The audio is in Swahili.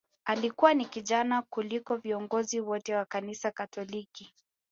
Alikuwa ni kijana kuliko viongozi wote wa kanisa Katoliki